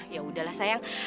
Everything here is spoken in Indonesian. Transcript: ya udahlah sayang